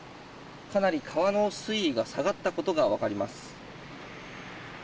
かなり川の水位が下がったことが分かります。